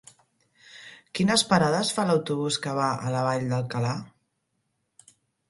Quines parades fa l'autobús que va a la Vall d'Alcalà?